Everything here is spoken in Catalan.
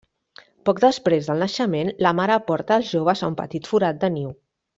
Poc després del naixement, la mare porta els joves a un petit forat de niu.